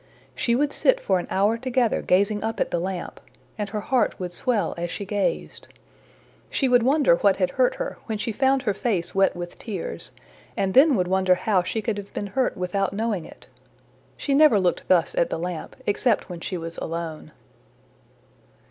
She would sit for an hour together gazing up at the lamp, and her heart would swell as she gazed. She would wonder what had hurt her when she found her face wet with tears, and then would wonder how she could have been hurt without knowing it. She never looked thus at the lamp except when she was alone.